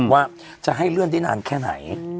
ว่าจะให้เลื่อนได้นานแค่ไหน